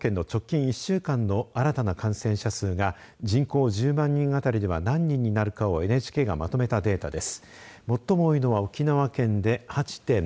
こちらは、それぞれの都道府県の直近１週間の新たな感染者数が人口１０万人あたりでは何人になるかをＮＨＫがまとめたデータです。